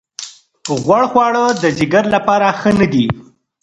غوړ خواړه د ځیګر لپاره ښه نه دي.